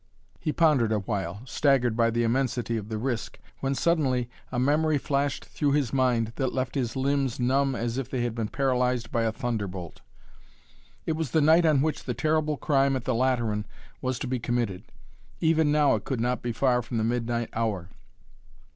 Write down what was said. He pondered a while, staggered by the immensity of the risk, when suddenly a memory flashed through his mind that left his limbs numb as if they had been paralyzed by a thunderbolt. It was the night on which the terrible crime at the Lateran was to be committed. Even now it could not be far from the midnight hour.